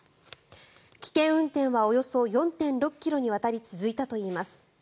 危険運転はおよそ４．６ｋｍにわたり続いたといいます。